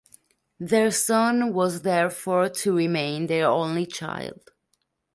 Their son was therefore to remain their only child.